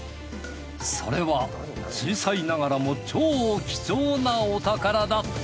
それは小さいながらも超貴重なお宝だった